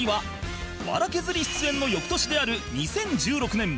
『笑けずり』出演の翌年である２０１６年